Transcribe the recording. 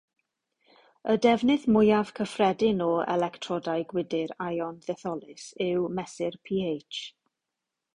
Y defnydd mwyaf cyffredin o electrodau gwydr ïon-ddetholus yw mesur pH.